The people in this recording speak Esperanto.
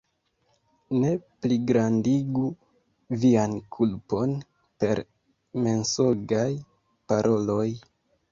Ne pligrandigu vian kulpon per mensogaj paroloj!